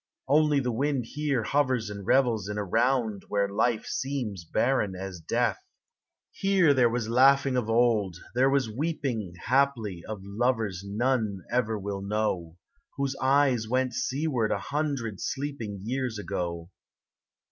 Only the wind here hovers and revels In a round where life seems barren as death. Here there was laughing of old, there was weep in ' Haply, of lovers none ever will know, Whose eyes went seaward a hundred sleeping Years ago.